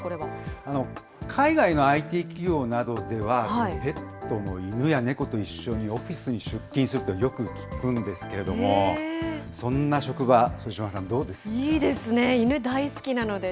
海外のＩＴ企業などでは、ペットの犬や猫と一緒にオフィスに出勤するとよく聞くんですけれども、そんな職場、副島さん、いいですね、犬、大好きなので。